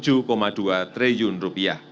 dengan pendapatan ekonomi